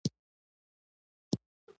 تعلیم یې تر نورو زیات دی.